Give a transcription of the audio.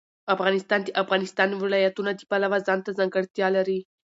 افغانستان د د افغانستان ولايتونه د پلوه ځانته ځانګړتیا لري.